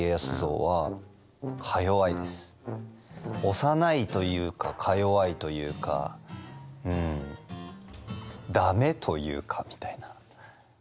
幼いというかかよわいというかうんダメというかみたいな。